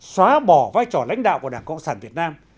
xóa bỏ vai trò lãnh đạo của đảng cộng sản việt nam